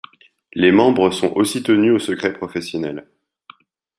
Les membres sont aussi tenus au secret Professionnel.